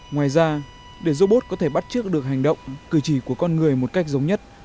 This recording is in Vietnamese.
ngoài ra để robot có thể bắt trước được hành động cử chỉ của con người một cách giống nhất